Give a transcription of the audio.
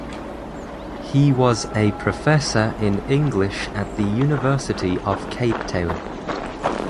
He was a professor in English at the University of Cape Town.